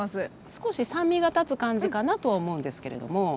少し酸味が立つ感じかなとは思うんですけれども。